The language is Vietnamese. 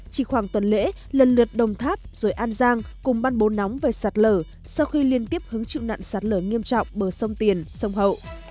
chỉ khoảng tuần lễ lần lượt đồng tháp rồi an giang cùng ban bố nóng về sạt lở sau khi liên tiếp hứng chịu nạn sạt lở nghiêm trọng bờ sông tiền sông hậu